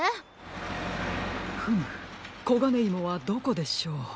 フムコガネイモはどこでしょう？